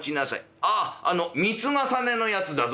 あああの三つ重ねのやつだぞ」。